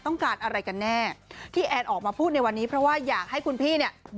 ต้องการอะไรกันแน่ที่แอนออกมาพูดในวันนี้เพราะว่าอยากให้คุณพี่เนี่ย